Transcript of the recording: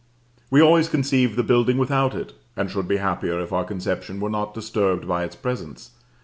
We always conceive the building without it, and should be happier if our conception were not disturbed by its presence.